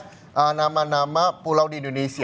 ada nama nama pulau di indonesia